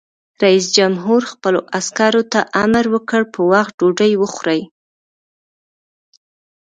رئیس جمهور خپلو عسکرو ته امر وکړ؛ په وخت ډوډۍ وخورئ!